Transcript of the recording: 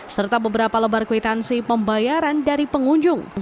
serta beberapa lebar kwitansi pembayaran dari pengunjung